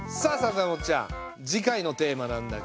豊本ちゃん次回のテーマなんだけど。